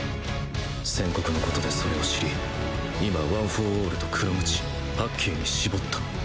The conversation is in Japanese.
先刻の事でそれを知り今ワン・フォー・オールと黒鞭発勁に絞った